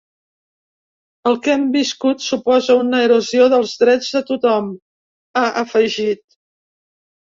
El que hem viscut suposa una erosió dels drets de tothom, ha afegit.